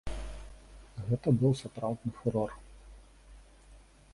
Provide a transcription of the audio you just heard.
Гэта быў сапраўдны фурор.